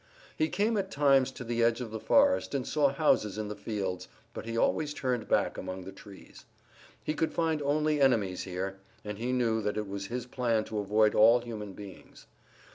He came at times to the edge of the forest and saw houses in the fields, but he always turned back among the trees. He could find only enemies here, and he knew that it was his plan to avoid all human beings.